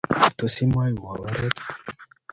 Tos, imwowo oret?